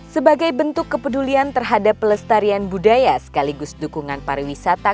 sebagai bentuk kepedulian terhadap pelestarian budaya sekaligus dukungan pariwisata